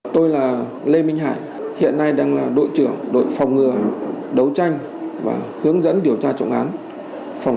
tôi là lê minh hải hiện nay đang là đội trưởng đội phòng ngừa đấu tranh và hướng dẫn điều tra trọng án